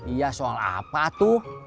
iya soal apa tuh